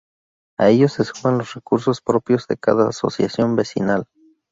A ello se suman los recursos propios de cada asociación vecinal.